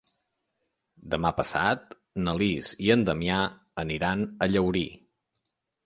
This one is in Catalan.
Demà passat na Lis i en Damià aniran a Llaurí.